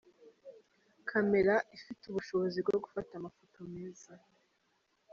Camera ifite ubushobozi bwo gufata amafoto meza.